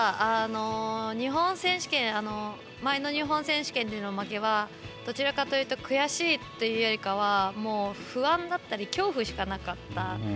ただ前の日本選手権での負けはどちらかというと悔しいというよりかはもう不安だったり恐怖しかなかった。